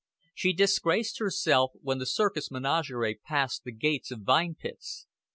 She disgraced herself when the circus menagerie passed the gates of Vine Pits.